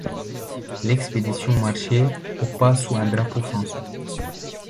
L'expédition marchait au pas sous un drapeau français.